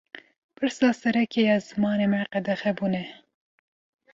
Pirsa sereke ya zimanê me, qedexebûn e